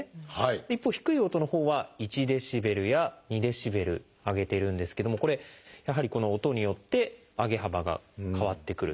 一方低い音のほうは１ｄＢや２ｄＢ上げているんですけどもこれやはりこの音によって上げ幅が変わってくると。